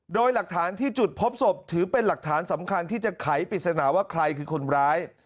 โดยหลักฐานที่จุดพบศพถือเป็นหลักฐานสำคัญที่จะไขปริศนาว่าใครคือคนร้าย